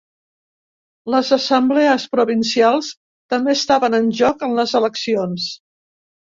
Les assemblees provincials també estaven en joc en les eleccions.